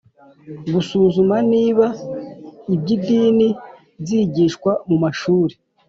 Gusuzuma niba iby’idini byigishwa mu mashuri